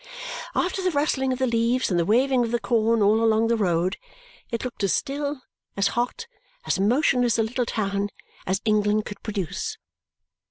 After the rustling of the leaves and the waving of the corn all along the road, it looked as still, as hot, as motionless a little town as England could produce.